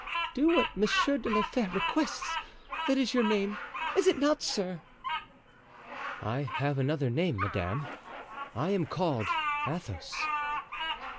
"Do what Monsieur de la Fere requests; that is your name, is it not, sir?" "I have another name, madame—I am called Athos."